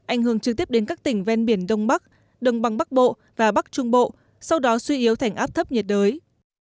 ảnh hưởng trực tiếp đến các tỉnh ven biển đông bắc đồng bằng bắc bộ và bắc trung bộ sau đó suy yếu thành áp thấp nhiệt đới